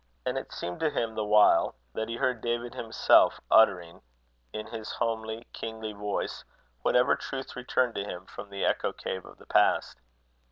And it seemed to him the while, that he heard David himself uttering, in his homely, kingly voice, whatever truth returned to him from the echo cave of the past.